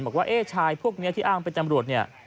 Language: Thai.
บอกว่าชายพวกนี้ที่อ้างเป็นตำรวจเนี่ย